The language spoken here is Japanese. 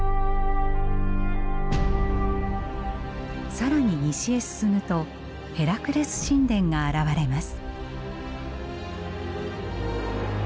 更に西へ進むとヘラクレス神殿が現れます。